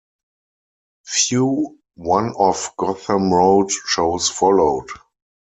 Few one-off Gotham Road shows followed.